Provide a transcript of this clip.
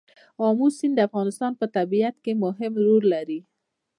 آمو سیند د افغانستان په طبیعت کې مهم رول لري.